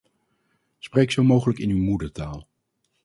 Spreek zo mogelijk in uw moedertaal.